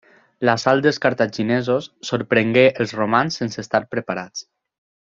L'assalt dels cartaginesos sorprengué els romans sense estar preparats.